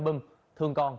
thương con thương không